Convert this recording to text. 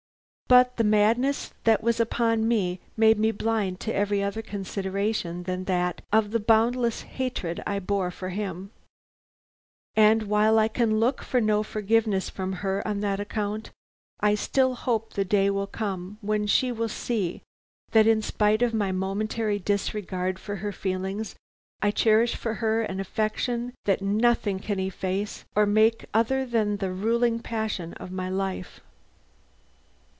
But the madness that was upon me made me blind to every other consideration than that of the boundless hatred I bore him; and while I can look for no forgiveness from her on that account, I still hope the day will come when she will see that in spite of my momentary disregard of her feelings, I cherish for her an affection that nothing can efface or make other than the ruling passion of my life."